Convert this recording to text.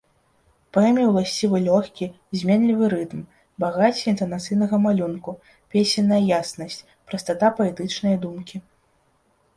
Паэме ўласцівы лёгкі, зменлівы рытм, багацце інтанацыйнага малюнку, песенная яснасць, прастата паэтычнае думкі.